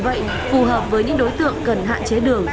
đây là cái hàng của công ty gửi đến tận nhà luôn